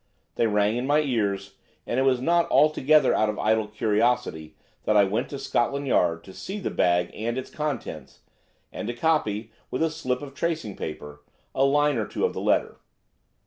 They rang in my ears, and it was not altogether out of idle curiosity that I went to Scotland Yard to see the bag and its contents, and to copy, with a slip of tracing paper, a line or two of the letter.